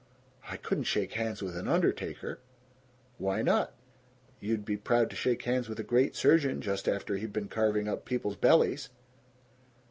I couldn't shake hands with an undertaker!" "Why not? You'd be proud to shake hands with a great surgeon, just after he'd been carving up people's bellies."